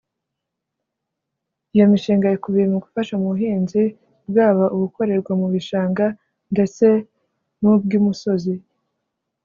Iyo mishinga ikubiye mu gufasha mu buhinzi bwaba ubukorerwa mu bishanga ndetse n’ubw’i Musozi